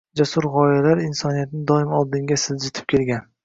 Jasur g‘oyalar insoniyatni doim oldinga siljitib kelgan.